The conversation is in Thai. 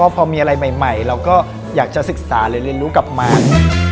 พอมีอะไรใหม่เราก็อยากจะศึกษาหรือเรียนรู้กลับมา